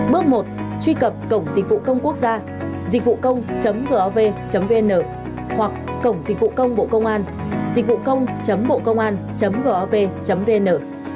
bước một truy cập cổng dịch vụ công quốc gia dịchvucông gov vn hoặc cổng dịch vụ công bộ công an dịchvucông bộcôngan gov vn